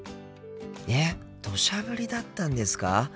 えっどしゃ降りだったんですか？